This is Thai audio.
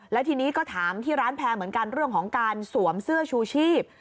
แล้วทีนี้ก็ถามที่ร้านแพร่เหมือนกันเรื่องของการสวมเสื้อชูชีพ